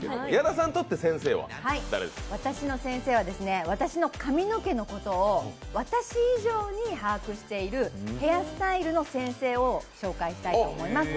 私の先生は、私の髪の毛のことを私以上に把握しているヘアスタイルの先生を紹介したいと思います。